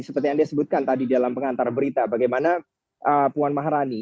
seperti yang dia sebutkan tadi dalam pengantar berita bagaimana puan maharani